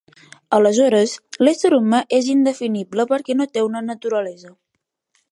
Aleshores, l'ésser humà és indefinible perquè no té una naturalesa.